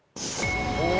お！